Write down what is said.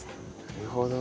なるほどね。